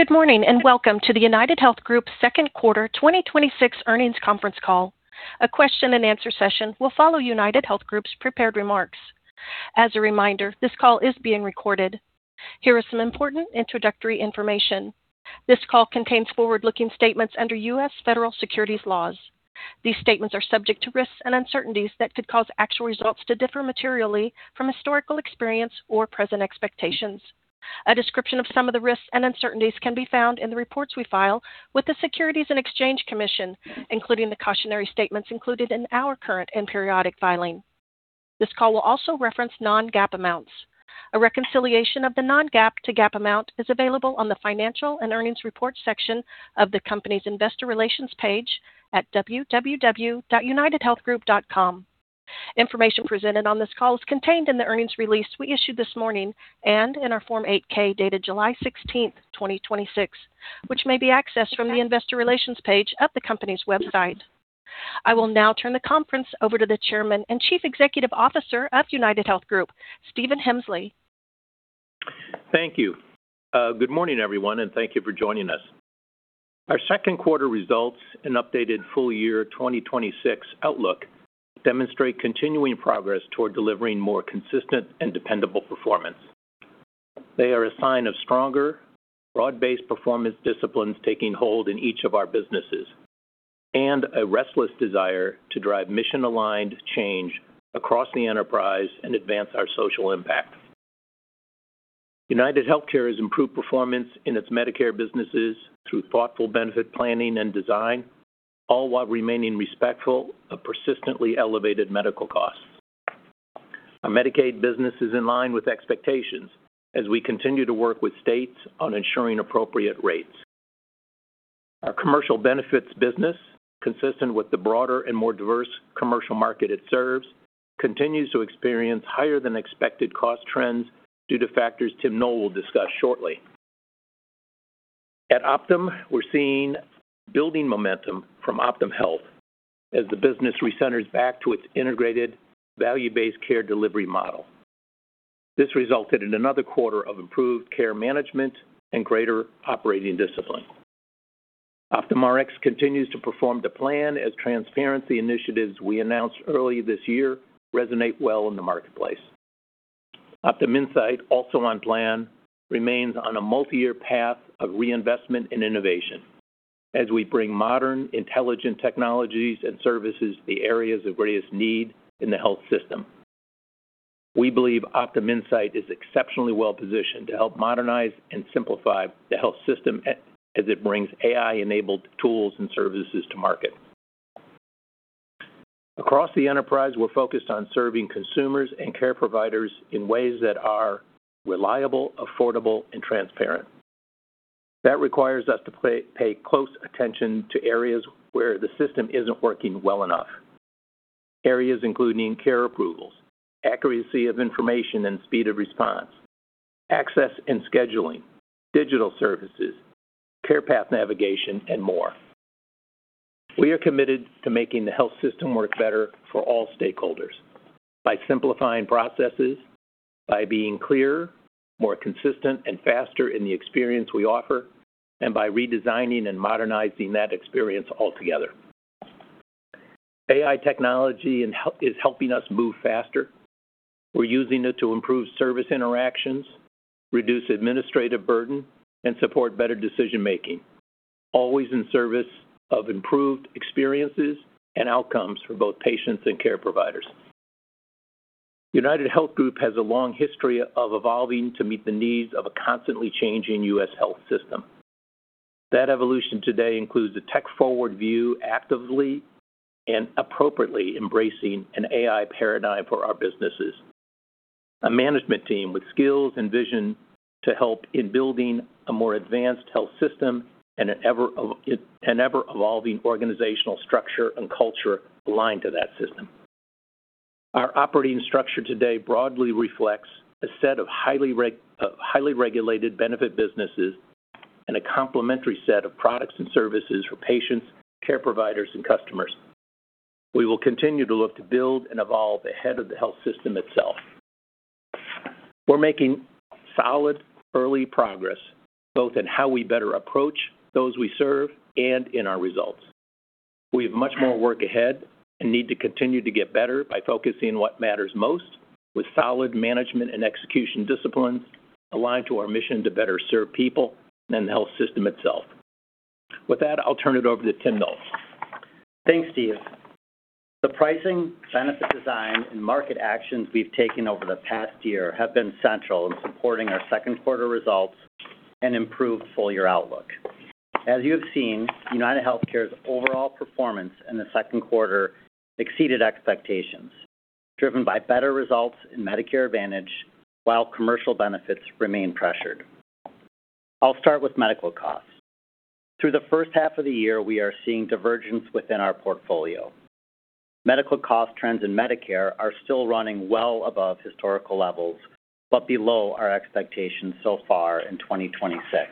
Good morning, and welcome to the UnitedHealth Group second quarter 2026 earnings conference call. A question and answer session will follow UnitedHealth Group's prepared remarks. As a reminder, this call is being recorded. Here is some important introductory information. This call contains forward-looking statements under U.S. federal securities laws. These statements are subject to risks and uncertainties that could cause actual results to differ materially from historical experience or present expectations. A description of some of the risks and uncertainties can be found in the reports we file with the Securities and Exchange Commission, including the cautionary statements included in our current and periodic filings. This call will also reference non-GAAP amounts. A reconciliation of the non-GAAP to GAAP amount is available on the Financial and Earnings Reports section of the company's investor relations page at www.unitedhealthgroup.com. Information presented on this call is contained in the earnings release we issued this morning and in our Form 8-K dated July 16th, 2026, which may be accessed from the investor relations page of the company's website. I will now turn the conference over to the Chairman and Chief Executive Officer of UnitedHealth Group, Stephen Hemsley. Thank you. Good morning, everyone, and thank you for joining us. Our second quarter results and updated full year 2026 outlook demonstrate continuing progress toward delivering more consistent and dependable performance. They are a sign of stronger broad-based performance disciplines taking hold in each of our businesses and a restless desire to drive mission-aligned change across the enterprise and advance our social impact. UnitedHealthcare has improved performance in its Medicare businesses through thoughtful benefit planning and design, all while remaining respectful of persistently elevated medical costs. Our Medicaid business is in line with expectations as we continue to work with states on ensuring appropriate rates. Our commercial benefits business, consistent with the broader and more diverse commercial market it serves, continues to experience higher than expected cost trends due to factors Tim Noel will discuss shortly. At Optum, we're seeing building momentum from Optum Health as the business re-centers back to its integrated value-based care delivery model. This resulted in another quarter of improved care management and greater operating discipline. Optum Rx continues to perform the plan as transparency initiatives we announced early this year resonate well in the marketplace. Optum Insight, also on plan, remains on a multi-year path of reinvestment and innovation as we bring modern intelligent technologies and services to the areas of greatest need in the health system. We believe Optum Insight is exceptionally well positioned to help modernize and simplify the health system as it brings AI-enabled tools and services to market. Across the enterprise, we're focused on serving consumers and care providers in ways that are reliable, affordable, and transparent. That requires us to pay close attention to areas where the system isn't working well enough. Areas including care approvals, accuracy of information and speed of response, access and scheduling, digital services, care path navigation, and more. We are committed to making the health system work better for all stakeholders by simplifying processes, by being clearer, more consistent, and faster in the experience we offer, and by redesigning and modernizing that experience altogether. AI technology is helping us move faster. We're using it to improve service interactions, reduce administrative burden, and support better decision-making, always in service of improved experiences and outcomes for both patients and care providers. UnitedHealth Group has a long history of evolving to meet the needs of a constantly changing U.S. health system. That evolution today includes a tech-forward view actively and appropriately embracing an AI paradigm for our businesses, a management team with skills and vision to help in building a more advanced health system, and an ever-evolving organizational structure and culture aligned to that system. Our operating structure today broadly reflects a set of highly regulated benefit businesses and a complementary set of products and services for patients, care providers, and customers. We will continue to look to build and evolve ahead of the health system itself. We're making solid early progress, both in how we better approach those we serve and in our results. We have much more work ahead and need to continue to get better by focusing on what matters most with solid management and execution disciplines aligned to our mission to better serve people and the health system itself. With that, I'll turn it over to Tim Noel. Thanks, Steve. The pricing, benefit design, and market actions we've taken over the past year have been central in supporting our second quarter results and improved full-year outlook. As you have seen, UnitedHealthcare's overall performance in the second quarter exceeded expectations, driven by better results in Medicare Advantage, while commercial benefits remain pressured. I'll start with medical costs. Through the first half of the year, we are seeing divergence within our portfolio. Medical cost trends in Medicare are still running well above historical levels, but below our expectations so far in 2026.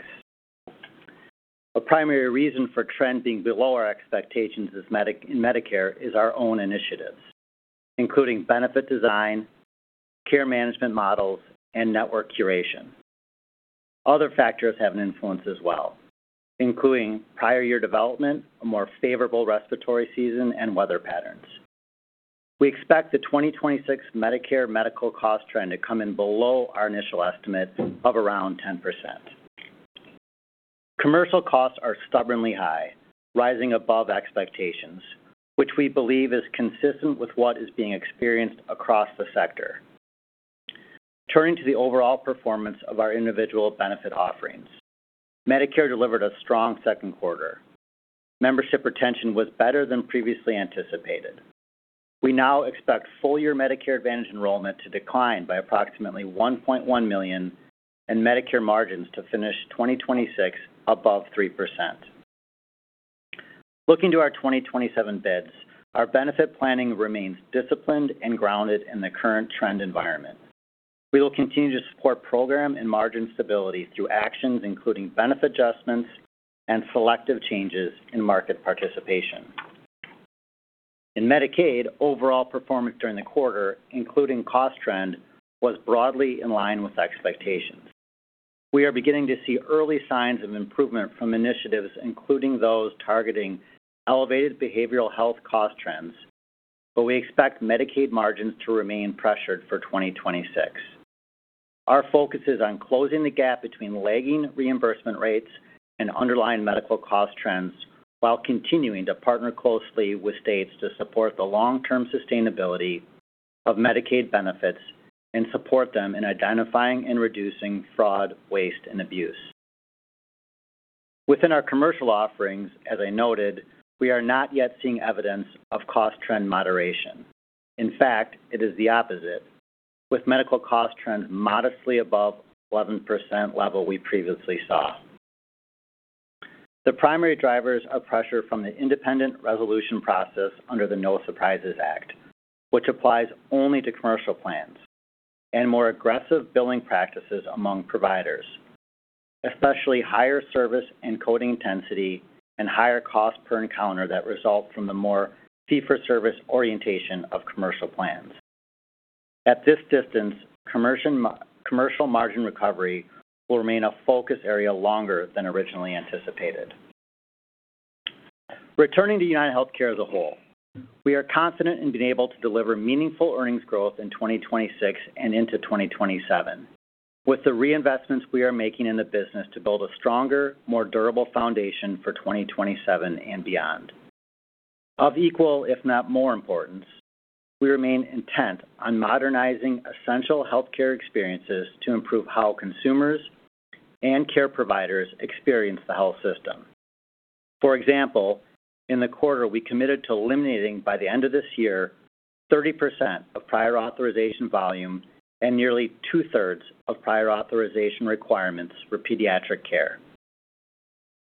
A primary reason for trend being below our expectations in Medicare is our own initiatives, including benefit design, care management models, and network curation. Other factors have an influence as well, including prior year development, a more favorable respiratory season, and weather patterns. We expect the 2026 Medicare medical cost trend to come in below our initial estimate of around 10%. Commercial costs are stubbornly high, rising above expectations, which we believe is consistent with what is being experienced across the sector. Turning to the overall performance of our individual benefit offerings. Medicare delivered a strong second quarter. Membership retention was better than previously anticipated. We now expect full-year Medicare Advantage enrollment to decline by approximately 1.1 million and Medicare margins to finish 2026 above 3%. Looking to our 2027 bids, our benefit planning remains disciplined and grounded in the current trend environment. We will continue to support program and margin stability through actions including benefit adjustments and selective changes in market participation. In Medicaid, overall performance during the quarter, including cost trend, was broadly in line with expectations. We are beginning to see early signs of improvement from initiatives including those targeting elevated behavioral health cost trends, but we expect Medicaid margins to remain pressured for 2026. Our focus is on closing the gap between lagging reimbursement rates and underlying medical cost trends while continuing to partner closely with states to support the long-term sustainability of Medicaid benefits and support them in identifying and reducing fraud, waste, and abuse. Within our commercial offerings, as I noted, we are not yet seeing evidence of cost trend moderation. In fact, it is the opposite, with medical cost trends modestly above 11% level we previously saw. The primary drivers of pressure from the independent resolution process under the No Surprises Act, which applies only to commercial plans, and more aggressive billing practices among providers, especially higher service and coding intensity and higher cost per encounter that result from the more fee-for-service orientation of commercial plans. At this distance, commercial margin recovery will remain a focus area longer than originally anticipated. Returning to UnitedHealthcare as a whole, we are confident in being able to deliver meaningful earnings growth in 2026 and into 2027 with the reinvestments we are making in the business to build a stronger, more durable foundation for 2027 and beyond. Of equal, if not more importance, we remain intent on modernizing essential healthcare experiences to improve how consumers and care providers experience the health system. For example, in the quarter, we committed to eliminating, by the end of this year, 30% of prior authorization volume and nearly two-thirds of prior authorization requirements for pediatric care.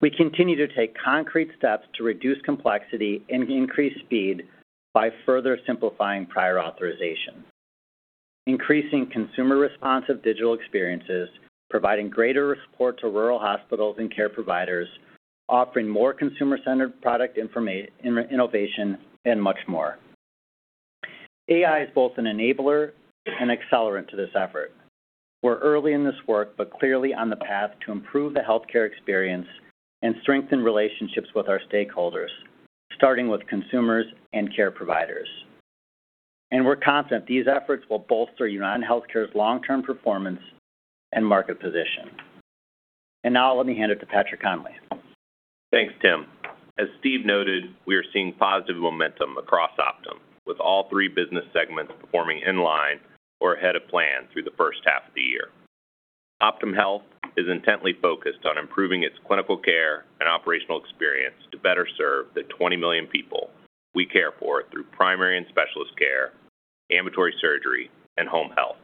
We continue to take concrete steps to reduce complexity and increase speed by further simplifying prior authorization, increasing consumer responsive digital experiences, providing greater support to rural hospitals and care providers, offering more consumer-centered product innovation, and much more. AI is both an enabler and accelerant to this effort. We're early in this work, but clearly on the path to improve the healthcare experience and strengthen relationships with our stakeholders, starting with consumers and care providers. We're confident these efforts will bolster UnitedHealthcare's long-term performance and market position. Now let me hand it to Patrick Conway. Thanks, Tim. As Steve noted, we are seeing positive momentum across Optum, with all three business segments performing in line or ahead of plan through the first half of the year. Optum Health is intently focused on improving its clinical care and operational experience to better serve the 20 million people we care for through primary and specialist care, ambulatory surgery, and home health.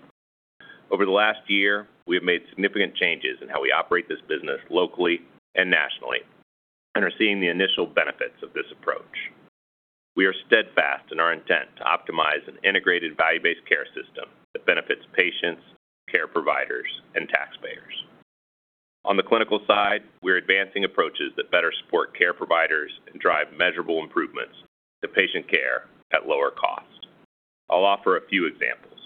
Over the last year, we have made significant changes in how we operate this business locally and nationally and are seeing the initial benefits of this approach. We are steadfast in our intent to optimize an integrated value-based care system that benefits patients, care providers, and taxpayers. On the clinical side, we're advancing approaches that better support care providers and drive measurable improvements to patient care at lower cost. I'll offer a few examples.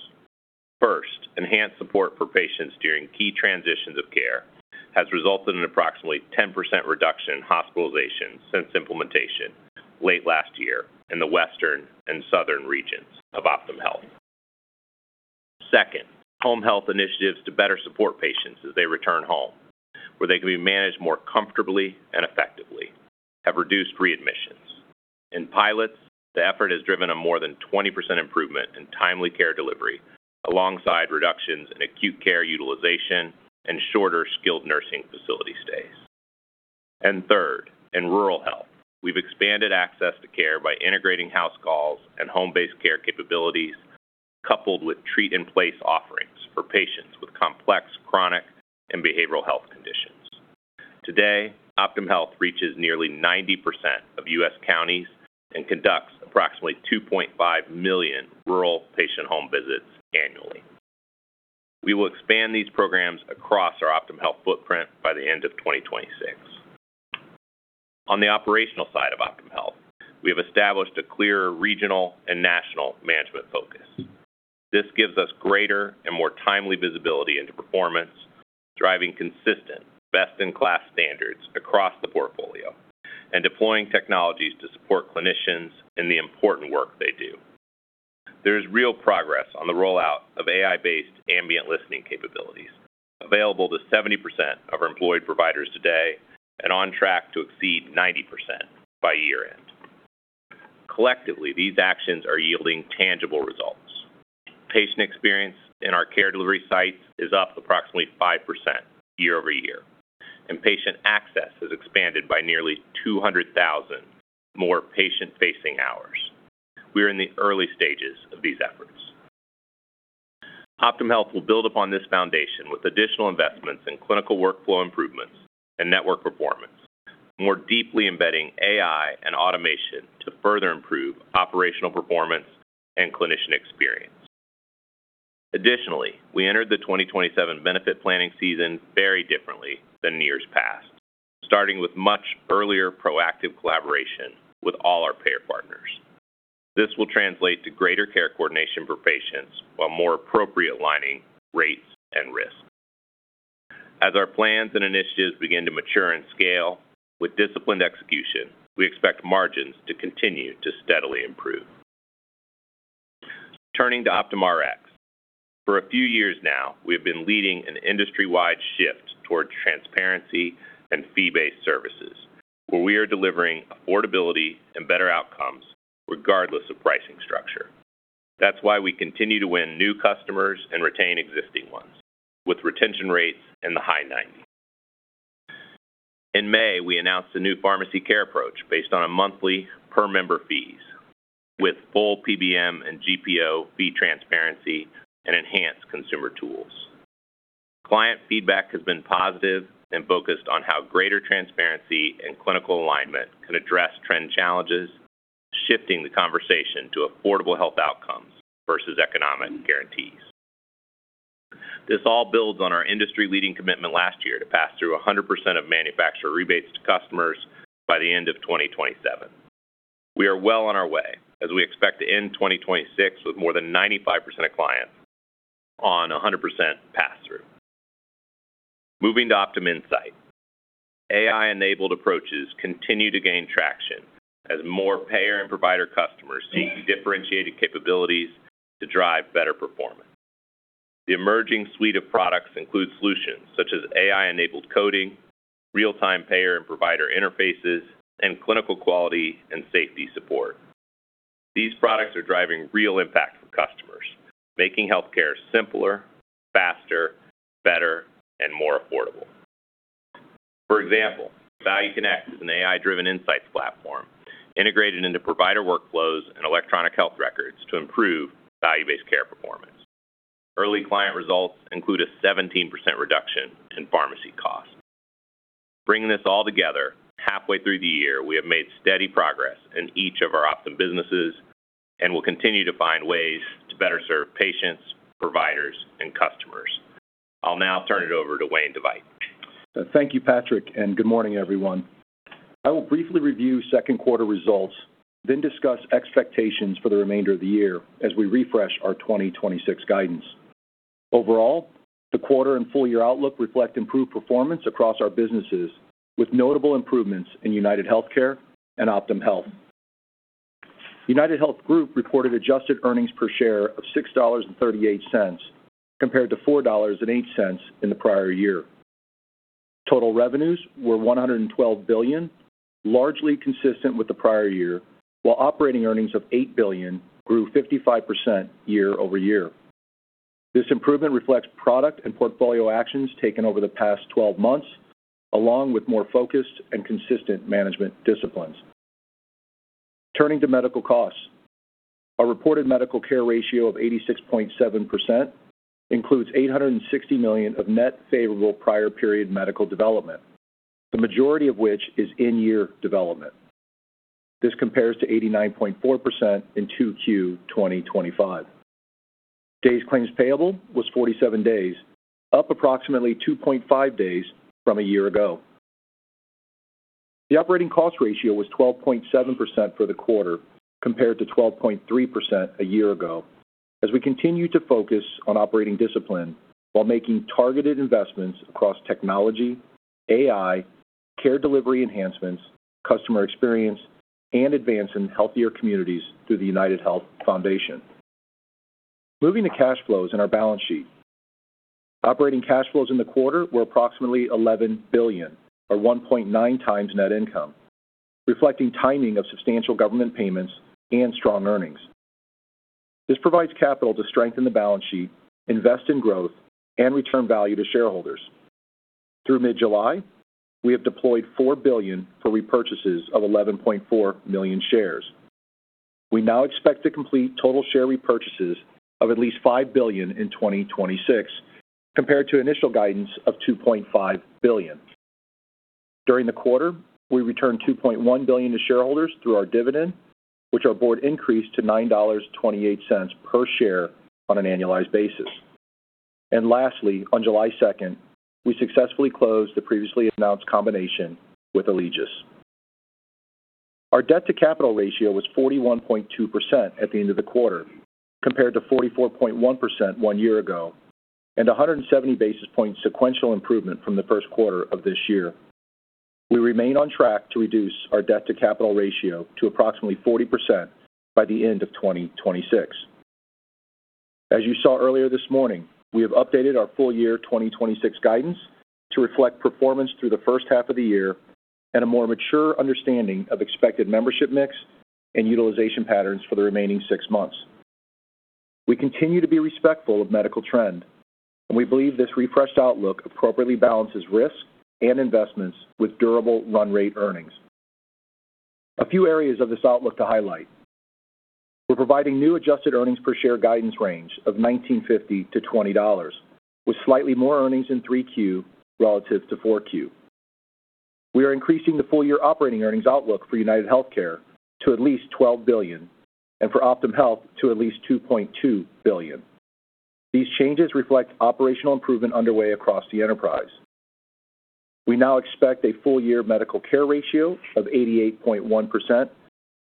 First, enhanced support for patients during key transitions of care has resulted in approximately 10% reduction in hospitalizations since implementation late last year in the Western and Southern regions of Optum Health. Second, home health initiatives to better support patients as they return home, where they can be managed more comfortably and effectively, have reduced readmissions. In pilots, the effort has driven a more than 20% improvement in timely care delivery alongside reductions in acute care utilization and shorter skilled nursing facility stays. Third, in rural health, we've expanded access to care by integrating house calls and home-based care capabilities coupled with treat-in-place offerings for patients with complex chronic and behavioral health conditions. Today, Optum Health reaches nearly 90% of U.S. counties and conducts approximately 2.5 million rural patient home visits. We will expand these programs across our Optum Health footprint by the end of 2026. On the operational side of Optum Health, we have established a clear regional and national management focus. This gives us greater and more timely visibility into performance, driving consistent, best-in-class standards across the portfolio, and deploying technologies to support clinicians in the important work they do. There is real progress on the rollout of AI-based ambient listening capabilities, available to 70% of our employed providers today and on track to exceed 90% by year-end. Collectively, these actions are yielding tangible results. Patient experience in our care delivery sites is up approximately 5% year-over-year, and patient access has expanded by nearly 200,000 more patient-facing hours. We are in the early stages of these efforts. Optum Health will build upon this foundation with additional investments in clinical workflow improvements and network performance, more deeply embedding AI and automation to further improve operational performance and clinician experience. Additionally, we entered the 2027 benefit planning season very differently than years past, starting with much earlier proactive collaboration with all our payer partners. This will translate to greater care coordination for patients while more appropriate aligning rates and risk. As our plans and initiatives begin to mature and scale, with disciplined execution, we expect margins to continue to steadily improve. Turning to Optum Rx. For a few years now, we have been leading an industry-wide shift towards transparency and fee-based services, where we are delivering affordability and better outcomes regardless of pricing structure. That's why we continue to win new customers and retain existing ones, with retention rates in the high 90s. In May, we announced a new pharmacy care approach based on monthly per-member fees with full PBM and GPO fee transparency and enhanced consumer tools. Client feedback has been positive and focused on how greater transparency and clinical alignment can address trend challenges, shifting the conversation to affordable health outcomes versus economic guarantees. This all builds on our industry-leading commitment last year to pass through 100% of manufacturer rebates to customers by the end of 2027. We are well on our way, as we expect to end 2026 with more than 95% of clients on 100% pass-through. Moving to Optum Insight. AI-enabled approaches continue to gain traction as more payer and provider customers seek differentiated capabilities to drive better performance. The emerging suite of products includes solutions such as AI-enabled coding, real-time payer and provider interfaces, and clinical quality and safety support. These products are driving real impact for customers, making healthcare simpler, faster, better, and more affordable. For example, Value Connect is an AI-driven insights platform integrated into provider workflows and electronic health records to improve value-based care performance. Early client results include a 17% reduction in pharmacy costs. Bringing this all together, halfway through the year, we have made steady progress in each of our Optum businesses and will continue to find ways to better serve patients, providers, and customers. I'll now turn it over to Wayne DeVeydt. Thank you, Patrick, and good morning, everyone. I will briefly review second quarter results, discuss expectations for the remainder of the year as we refresh our 2026 guidance. Overall, the quarter and full-year outlook reflect improved performance across our businesses, with notable improvements in UnitedHealthcare and Optum Health. UnitedHealth Group reported adjusted earnings per share of $6.38, compared to $4.08 in the prior year. Total revenues were $112 billion, largely consistent with the prior year, while operating earnings of $8 billion grew 55% year-over-year. This improvement reflects product and portfolio actions taken over the past 12 months, along with more focused and consistent management disciplines. Turning to medical costs. Our reported medical care ratio of 86.7% includes $860 million of net favorable prior period medical development, the majority of which is in-year development. This compares to 89.4% in 2Q 2025. Days claims payable was 47 days, up approximately 2.5 days from a year ago. The operating cost ratio was 12.7% for the quarter, compared to 12.3% a year ago, as we continue to focus on operating discipline while making targeted investments across technology, AI, care delivery enhancements, customer experience, and advancing healthier communities through the United Health Foundation. Moving to cash flows and our balance sheet. Operating cash flows in the quarter were approximately $11 billion, or 1.9x net income, reflecting timing of substantial government payments and strong earnings. This provides capital to strengthen the balance sheet, invest in growth, and return value to shareholders. Through mid-July, we have deployed $4 billion for repurchases of 11.4 million shares. We now expect to complete total share repurchases of at least $5 billion in 2026, compared to initial guidance of $2.5 billion. During the quarter, we returned $2.1 billion to shareholders through our dividend, which our board increased to $9.28 per share on an annualized basis. Lastly, on July 2nd, we successfully closed the previously announced combination with Alegeus. Our debt to capital ratio was 41.2% at the end of the quarter, compared to 44.1% one year ago, and 170 basis point sequential improvement from the first quarter of this year. We remain on track to reduce our debt to capital ratio to approximately 40% by the end of 2026. As you saw earlier this morning, we have updated our full year 2026 guidance to reflect performance through the first half of the year and a more mature understanding of expected membership mix and utilization patterns for the remaining six months. We continue to be respectful of medical trend, and we believe this refreshed outlook appropriately balances risk and investments with durable run rate earnings. A few areas of this outlook to highlight. We're providing new adjusted earnings per share guidance range of $19.50 to $20, with slightly more earnings in 3Q relative to 4Q. We are increasing the full-year operating earnings outlook for UnitedHealthcare to at least $12 billion and for Optum Health to at least $2.2 billion. These changes reflect operational improvement underway across the enterprise. We now expect a full-year medical care ratio of 88.1%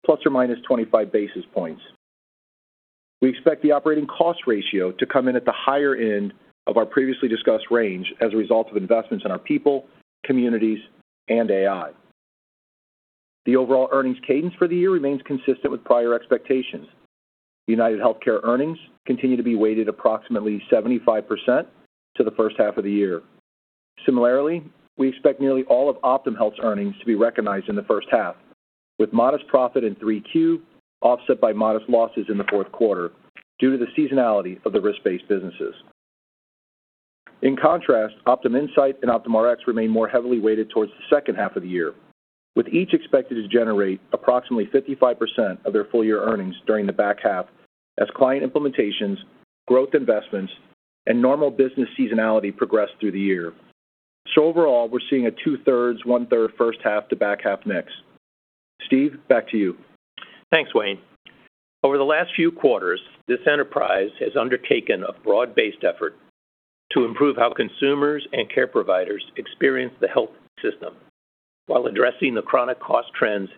± 25 basis points. We expect the operating cost ratio to come in at the higher end of our previously discussed range as a result of investments in our people, communities, and AI. The overall earnings cadence for the year remains consistent with prior expectations. UnitedHealthcare earnings continue to be weighted approximately 75% to the first half of the year. Similarly, we expect nearly all of Optum Health's earnings to be recognized in the first half, with modest profit in Q3, offset by modest losses in the fourth quarter due to the seasonality of the risk-based businesses. In contrast, Optum Insight and Optum Rx remain more heavily weighted towards the second half of the year, with each expected to generate approximately 55% of their full-year earnings during the back half as client implementations, growth investments, and normal business seasonality progress through the year. Overall, we're seeing a two-thirds, one-third first half to back half mix. Steve, back to you. Thanks, Wayne. Over the last few quarters, this enterprise has undertaken a broad-based effort to improve how consumers and care providers experience the health system while addressing the chronic cost trend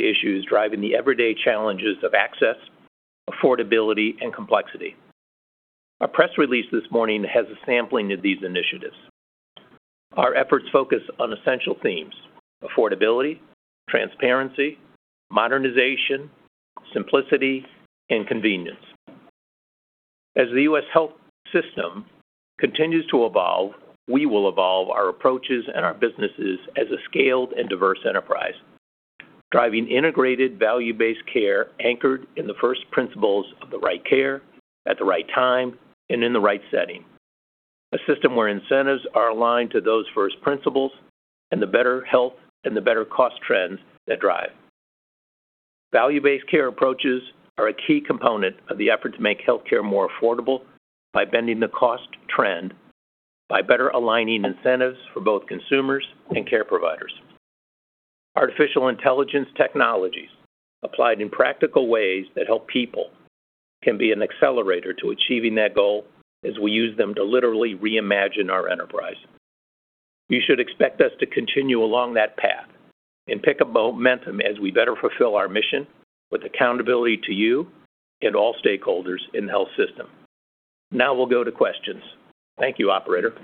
issues driving the everyday challenges of access, affordability, and complexity. Our press release this morning has a sampling of these initiatives. Our efforts focus on essential themes: affordability, transparency, modernization, simplicity, and convenience. As the U.S. health system continues to evolve, we will evolve our approaches and our businesses as a scaled and diverse enterprise, driving integrated value-based care anchored in the first principles of the right care at the right time and in the right setting. A system where incentives are aligned to those first principles and the better health and the better cost trends that drive. Value-based care approaches are a key component of the effort to make healthcare more affordable by bending the cost trend by better aligning incentives for both consumers and care providers. Artificial intelligence technologies applied in practical ways that help people can be an accelerator to achieving that goal as we use them to literally reimagine our enterprise. You should expect us to continue along that path and pick up momentum as we better fulfill our mission with accountability to you and all stakeholders in the health system. Now we'll go to questions. Thank you, operator.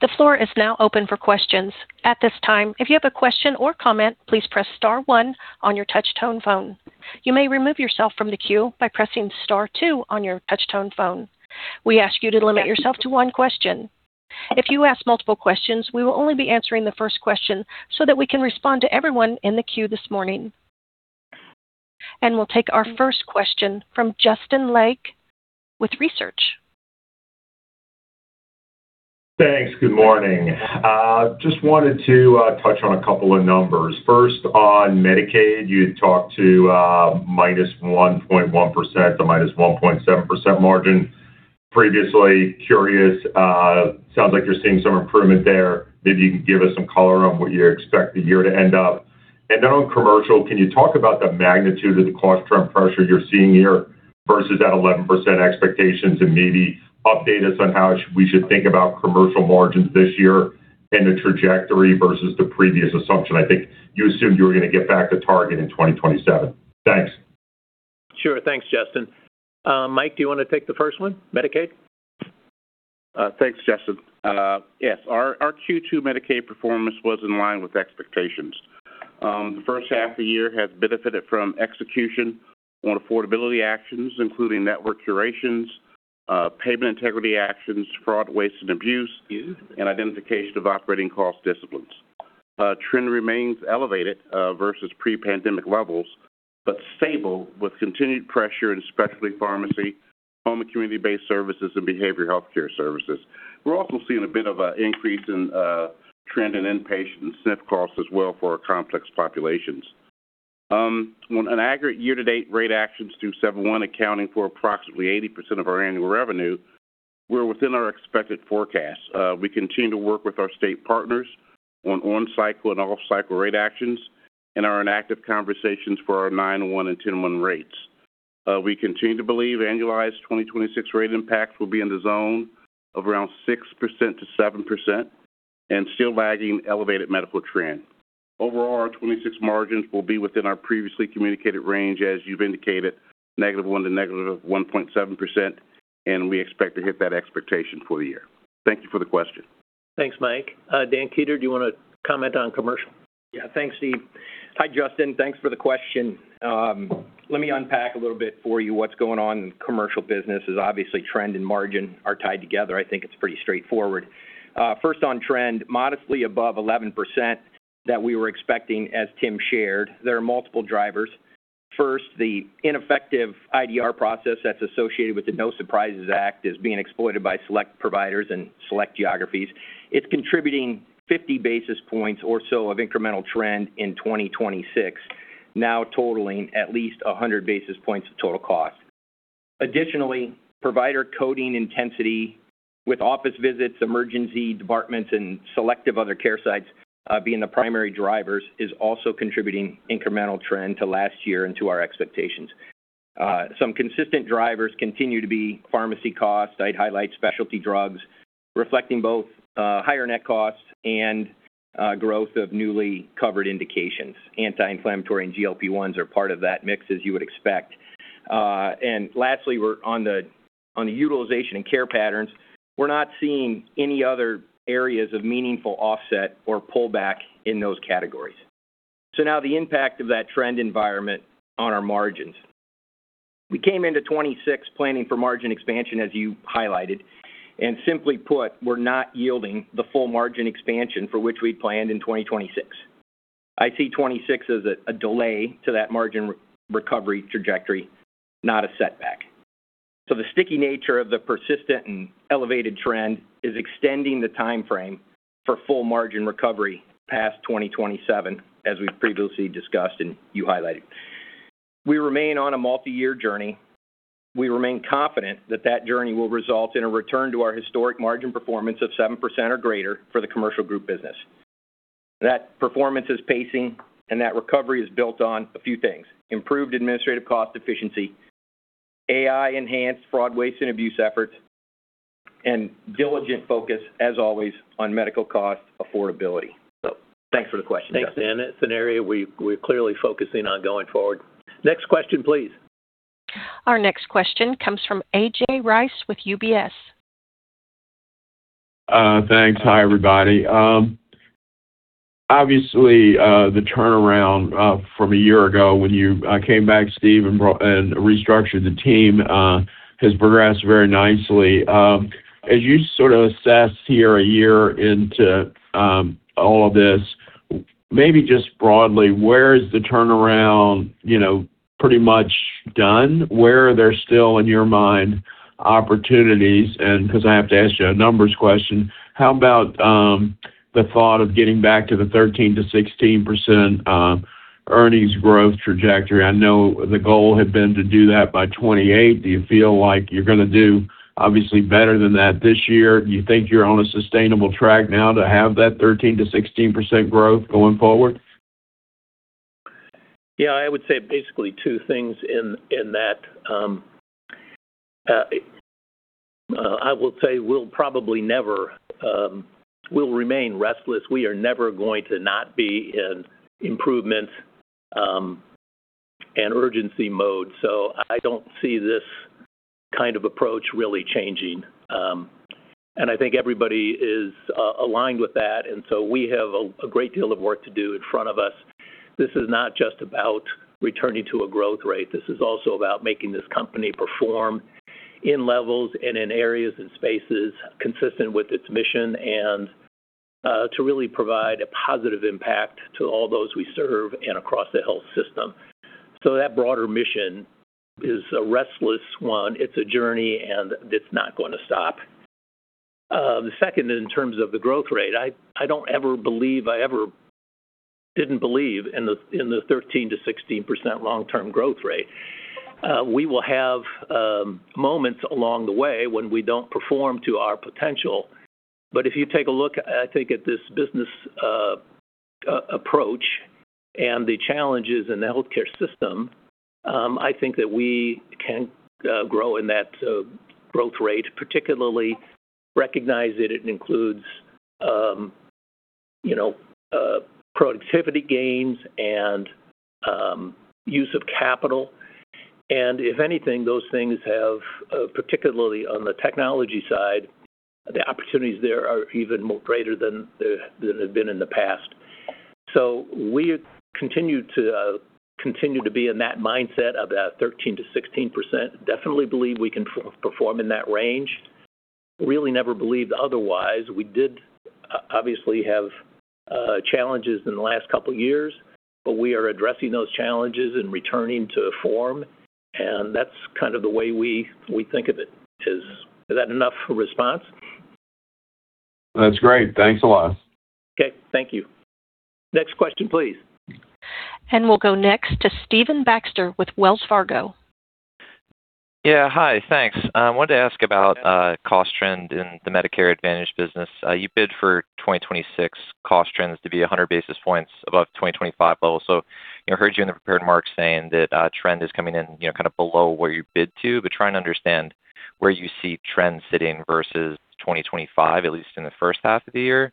The floor is now open for questions. At this time, if you have a question or comment, please press star one on your touch-tone phone. You may remove yourself from the queue by pressing star two on your touch-tone phone. We ask you to limit yourself to one question. If you ask multiple questions, we will only be answering the first question so that we can respond to everyone in the queue this morning. We'll take our first question from Justin Lake with Wolfe Research. Thanks. Good morning. Just wanted to touch on a couple of numbers. First, on Medicaid, you had talked to, -1.1%, a -1.7% margin previously. Curious, sounds like you're seeing some improvement there. Maybe you can give us some color on what you expect the year to end up. Then on commercial, can you talk about the magnitude of the cost trend pressure you're seeing here versus that 11% expectations and maybe update us on how we should think about commercial margins this year and the trajectory versus the previous assumption? I think you assumed you were going to get back to target in 2027. Thanks. Sure. Thanks, Justin. Mike, do you want to take the first one, Medicaid? Thanks, Justin. Yes. Our Q2 Medicaid performance was in line with expectations. The first half of the year has benefited from execution on affordability actions, including network curations, payment integrity actions, fraud, waste, and abuse, and identification of operating cost disciplines. Trend remains elevated, versus pre-pandemic levels, but stable with continued pressure in specialty pharmacy, home and community-based services, and behavioral healthcare services. We're also seeing a bit of an increase in trend in inpatient SNF costs as well for our complex populations. On an aggregate year-to-date rate actions through 7/1 accounting for approximately 80% of our annual revenue, we're within our expected forecast. We continue to work with our state partners on on-cycle and off-cycle rate actions, and are in active conversations for our 9/1 and 10/1 rates. We continue to believe annualized 2026 rate impacts will be in the zone of around 6%-7%, and still lagging elevated medical trend. Overall, our 2026 margins will be within our previously communicated range, as you've indicated, -1% to -1.7%, and we expect to hit that expectation for the year. Thank you for the question. Thanks, Mike. Dan Kueter, do you want to comment on commercial? Yeah. Thanks, Steve. Hi, Justin. Thanks for the question. Let me unpack a little bit for you what's going on in commercial business, as obviously trend and margin are tied together. I think it's pretty straightforward. First on trend, modestly above 11% that we were expecting, as Tim shared. There are multiple drivers. First, the ineffective IDR process that's associated with the No Surprises Act is being exploited by select providers and select geographies. It's contributing 50 basis points or so of incremental trend in 2026, now totaling at least 100 basis points of total cost. Additionally, provider coding intensity with office visits, emergency departments, and selective other care sites, being the primary drivers, is also contributing incremental trend to last year and to our expectations. Some consistent drivers continue to be pharmacy costs. I'd highlight specialty drugs reflecting both higher net costs and growth of newly covered indications. Anti-inflammatory and GLP-1s are part of that mix, as you would expect. Lastly, on the utilization and care patterns, we're not seeing any other areas of meaningful offset or pullback in those categories. Now the impact of that trend environment on our margins. We came into 2026 planning for margin expansion, as you highlighted, and simply put, we're not yielding the full margin expansion for which we'd planned in 2026. I see 2026 as a delay to that margin recovery trajectory, not a setback. The sticky nature of the persistent and elevated trend is extending the timeframe for full margin recovery past 2027, as we've previously discussed and you highlighted. We remain on a multi-year journey. We remain confident that that journey will result in a return to our historic margin performance of 7% or greater for the commercial group business. That performance is pacing, that recovery is built on a few things. Improved administrative cost efficiency, AI enhanced fraud, waste, and abuse efforts, and diligent focus, as always, on medical cost affordability. Thanks for the question. Thanks, Dan. It's an area we're clearly focusing on going forward. Next question, please. Our next question comes from A.J. Rice with UBS. Thanks. Hi, everybody. Obviously, the turnaround from a year ago when you came back, Steve, and restructured the team has progressed very nicely. As you sort of assess here a year into all of this, maybe just broadly, where is the turnaround pretty much done? Where are there still, in your mind, opportunities? Because I have to ask you a numbers question, how about the thought of getting back to the 13%-16% earnings growth trajectory? I know the goal had been to do that by 2028. Do you feel like you're going to do obviously better than that this year? Do you think you're on a sustainable track now to have that 13%-16% growth going forward? Yeah. I would say basically two things in that. I will say we'll remain restless. We are never going to not be in improvement and urgency mode. I don't see this kind of approach really changing. I think everybody is aligned with that, we have a great deal of work to do in front of us. This is not just about returning to a growth rate. This is also about making this company perform in levels and in areas and spaces consistent with its mission, and to really provide a positive impact to all those we serve and across the health system. That broader mission is a restless one. It's a journey, and it's not going to stop. The second, in terms of the growth rate, I don't ever believe I ever didn't believe in the 13%-16% long-term growth rate. We will have moments along the way when we don't perform to our potential. If you take a look, I think at this business approach and the challenges in the healthcare system, I think that we can grow in that growth rate, particularly recognize that it includes productivity gains and use of capital. If anything, those things have, particularly on the technology side, the opportunities there are even greater than they've been in the past. We continue to be in that mindset of that 13%-16%. Definitely believe we can perform in that range. Really never believed otherwise. We did obviously have challenges in the last couple of years, but we are addressing those challenges and returning to form, and that's kind of the way we think of it. Is that enough a response? That's great. Thanks a lot. Okay. Thank you. Next question, please. We'll go next to Stephen Baxter with Wells Fargo. Yeah. Hi, thanks. I wanted to ask about cost trend in the Medicare Advantage business. You bid for 2026 cost trends to be 100 basis points above 2025 levels. I heard you in the prepared remarks saying that trend is coming in below where you bid to, but trying to understand where you see trends sitting versus 2025, at least in the first half of the year.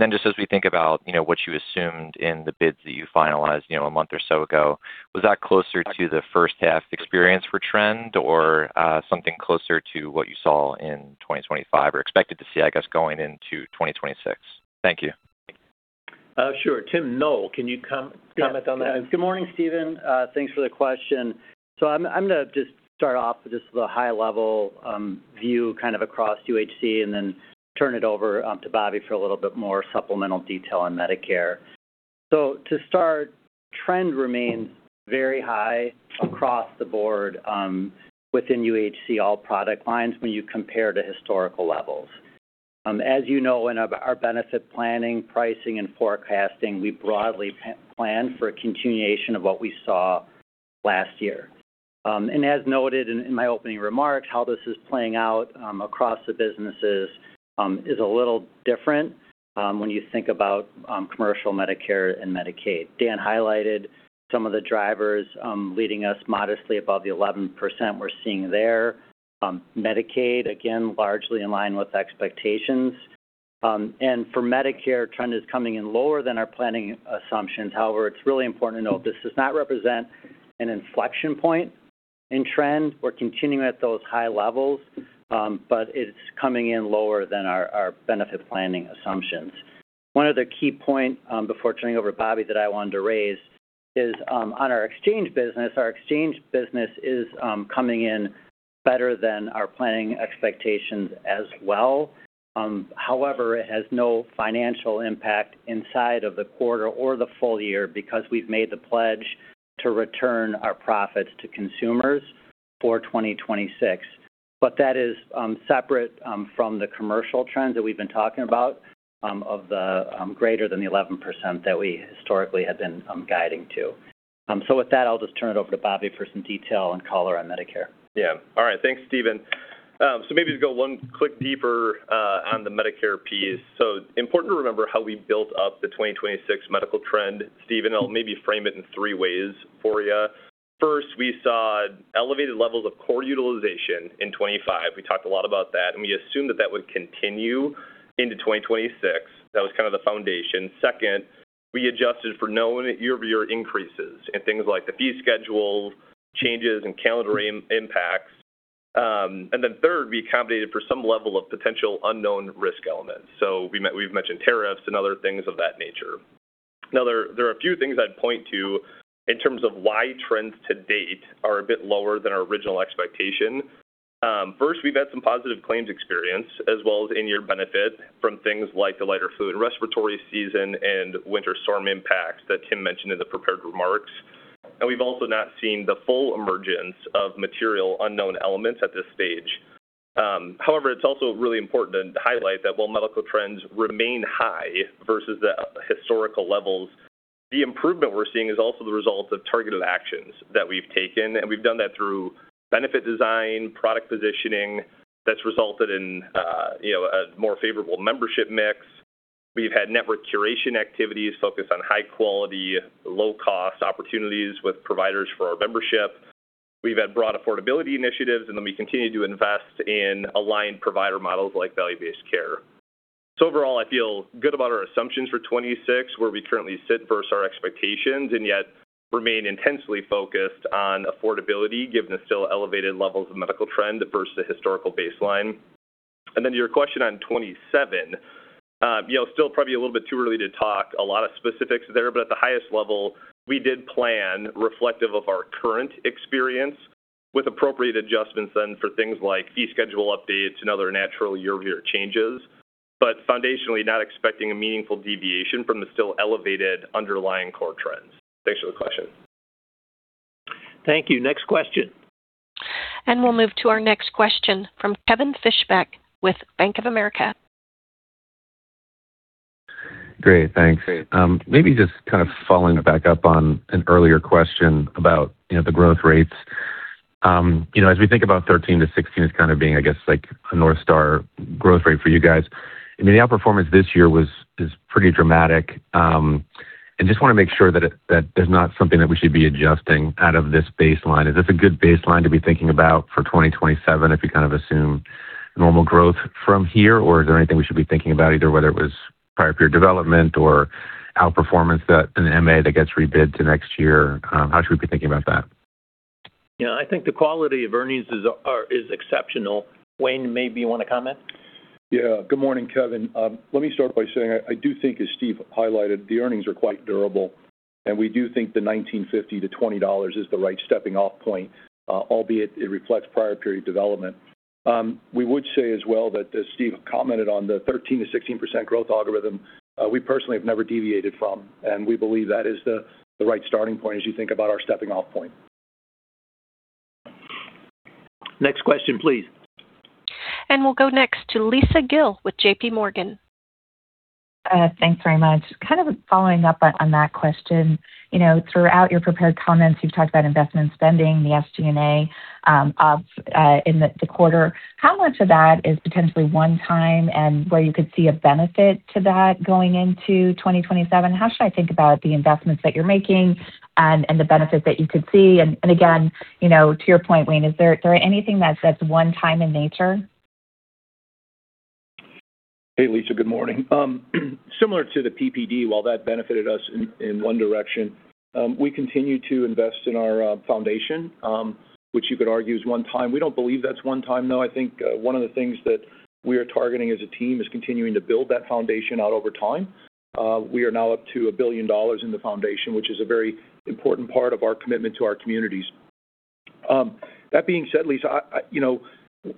Then just as we think about what you assumed in the bids that you finalized a month or so ago, was that closer to the first half experience for trend or something closer to what you saw in 2025 or expected to see, I guess, going into 2026? Thank you. Sure. Tim Noel, can you comment on that? Yes. Good morning, Stephen. Thanks for the question. I'm going to just start off with just the high-level view kind of across UHC and then turn it over to Bobby for a little bit more supplemental detail on Medicare. To start, trend remains very high across the board within UHC, all product lines, when you compare to historical levels. As you know, in our benefit planning, pricing, and forecasting, we broadly plan for a continuation of what we saw last year. As noted in my opening remarks, how this is playing out across the businesses is a little different when you think about commercial Medicare and Medicaid. Dan highlighted some of the drivers leading us modestly above the 11% we're seeing there. Medicaid, again, largely in line with expectations. For Medicare, trend is coming in lower than our planning assumptions. However, it's really important to note this does not represent an inflection point in trend. We're continuing at those high levels, but it's coming in lower than our benefit planning assumptions. One other key point before turning over to Bobby that I wanted to raise is on our exchange business. Our exchange business is coming in better than our planning expectations as well. However, it has no financial impact inside of the quarter or the full year because we've made the pledge to return our profits to consumers for 2026. That is separate from the commercial trends that we've been talking about of the greater than the 11% that we historically had been guiding to. With that, I'll just turn it over to Bobby for some detail and color on Medicare. Yeah. All right. Thanks, Stephen. Maybe to go one click deeper on the Medicare piece. Important to remember how we built up the 2026 medical trend, Stephen. I'll maybe frame it in three ways for you. First, we saw elevated levels of core utilization in 2025. We talked a lot about that, and we assumed that that would continue into 2026. That was kind of the foundation. Second, we adjusted for known year-over-year increases in things like the fee schedule changes and calendar impacts. Then third, we accommodated for some level of potential unknown risk elements. We've mentioned tariffs and other things of that nature. Now, there are a few things I'd point to in terms of why trends to date are a bit lower than our original expectation. First, we've had some positive claims experience as well as in-year benefit from things like the lighter flu and respiratory season and winter storm impacts that Tim mentioned in the prepared remarks. We've also not seen the full emergence of material unknown elements at this stage. However, it's also really important to highlight that while medical trends remain high versus the historical levels, the improvement we're seeing is also the result of targeted actions that we've taken. We've done that through benefit design, product positioning that's resulted in a more favorable membership mix. We've had network curation activities focused on high-quality, low-cost opportunities with providers for our membership. We've had broad affordability initiatives. Then we continue to invest in aligned provider models like value-based care. Overall, I feel good about our assumptions for 2026, where we currently sit versus our expectations. Yet remain intensely focused on affordability given the still elevated levels of medical trend versus the historical baseline. Then to your question on 2027. Still probably a little bit too early to talk a lot of specifics there, but at the highest level, we did plan reflective of our current experience with appropriate adjustments then for things like fee schedule updates and other natural year-over-year changes. Foundationally, not expecting a meaningful deviation from the still elevated underlying core trends. Thanks for the question. Thank you. Next question. We'll move to our next question from Kevin Fischbeck with Bank of America. Great. Thanks. Maybe just kind of following back up on an earlier question about the growth rates. As we think about 13%-16% as kind of being, I guess, like a North Star growth rate for you guys, I mean, the outperformance this year is pretty dramatic. Just want to make sure that there's not something that we should be adjusting out of this baseline. Is this a good baseline to be thinking about for 2027 if you kind of assume normal growth from here, or is there anything we should be thinking about, either whether it was prior period development or outperformance that an MA that gets rebid to next year? How should we be thinking about that? Yeah, I think the quality of earnings is exceptional. Wayne, maybe you want to comment? Yeah. Good morning, Kevin. Let me start by saying I do think, as Steve highlighted, the earnings are quite durable, and we do think the $19.50 to $20 is the right stepping off point, albeit it reflects prior period development. We would say as well that, as Steve commented on the 13%-16% growth algorithm, we personally have never deviated from, and we believe that is the right starting point as you think about our stepping off point. Next question, please. We'll go next to Lisa Gill with JPMorgan. Thanks very much. Kind of following up on that question. Throughout your prepared comments, you've talked about investment spending, the SG&A in the quarter. How much of that is potentially one time, and where you could see a benefit to that going into 2027? How should I think about the investments that you're making and the benefits that you could see? Again, to your point, Wayne, is there anything that's one time in nature? Hey, Lisa. Good morning. Similar to the PPD, while that benefited us in one direction, we continue to invest in our foundation, which you could argue is one time. We don't believe that's one time, though. I think one of the things that we are targeting as a team is continuing to build that foundation out over time. We are now up to $1 billion in the foundation, which is a very important part of our commitment to our communities. That being said, Lisa,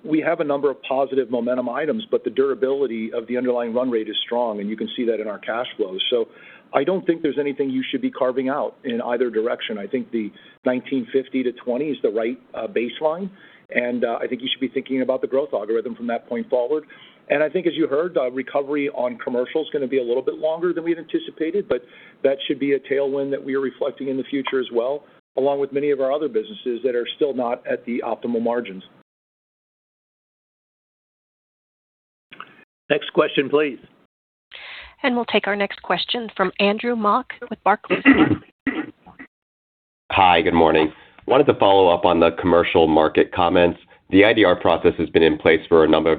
we have a number of positive momentum items, but the durability of the underlying run rate is strong, and you can see that in our cash flows. I don't think there's anything you should be carving out in either direction. I think the $19.50 to $20.00 Is the right baseline, and I think you should be thinking about the growth algorithm from that point forward. I think as you heard, recovery on commercial is going to be a little bit longer than we'd anticipated, but that should be a tailwind that we are reflecting in the future as well, along with many of our other businesses that are still not at the optimal margins. Next question, please. We'll take our next question from Andrew Mok with Barclays. Hi, good morning. Wanted to follow up on the commercial market comments. The IDR process has been in place for a number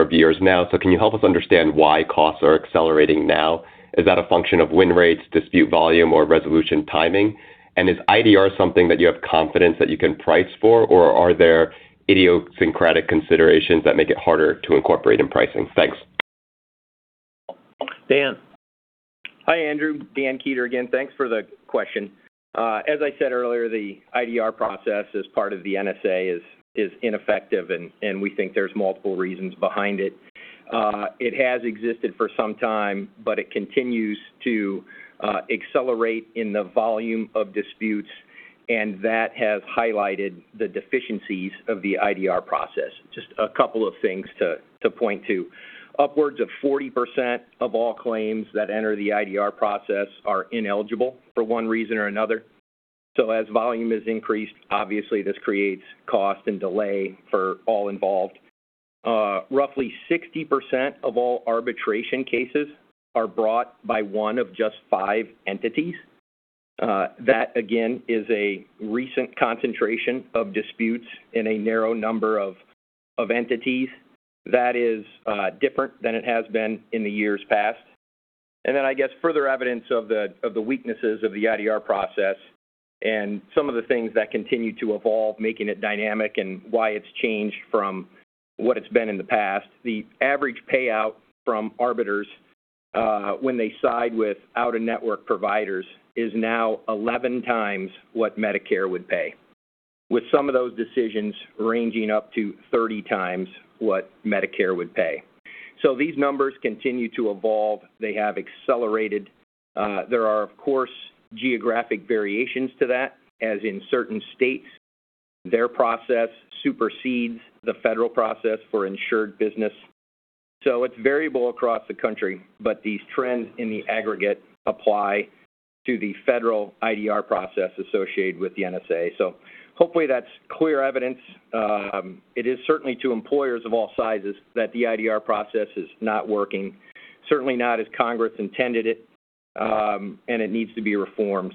of years now. Can you help us understand why costs are accelerating now? Is that a function of win rates, dispute volume, or resolution timing? Is IDR something that you have confidence that you can price for, or are there idiosyncratic considerations that make it harder to incorporate in pricing? Thanks. Dan. Hi, Andrew. Dan Kueter again. Thanks for the question. As I said earlier, the IDR process, as part of the NSA, is ineffective. We think there's multiple reasons behind it. It has existed for some time, it continues to accelerate in the volume of disputes, and that has highlighted the deficiencies of the IDR process. Just a couple of things to point to. Upwards of 40% of all claims that enter the IDR process are ineligible for one reason or another. As volume is increased, obviously this creates cost and delay for all involved. Roughly 60% of all arbitration cases are brought by one of just five entities. That, again, is a recent concentration of disputes in a narrow number of entities. That is different than it has been in the years past. I guess further evidence of the weaknesses of the IDR process and some of the things that continue to evolve, making it dynamic and why it's changed from what it's been in the past, the average payout from arbiters, when they side with out-of-network providers, is now 11x what Medicare would pay, with some of those decisions ranging up to 30x what Medicare would pay. These numbers continue to evolve. They have accelerated. There are, of course, geographic variations to that, as in certain states, their process supersedes the federal process for insured business. It's variable across the country, but these trends in the aggregate apply to the federal IDR process associated with the NSA. Hopefully that's clear evidence. It is certainly to employers of all sizes that the IDR process is not working, certainly not as Congress intended it, and it needs to be reformed.